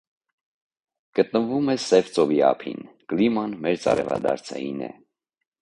Գտնվում է Սև ծովի ափին, կլիման մերձարևադարձային է։